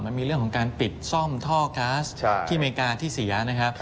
มันมีเรื่องของการปิดซ่อมท่อก๊าซที่อเมริกาที่เสียนะครับ